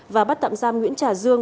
và bắt tạm giam nguyễn trà dương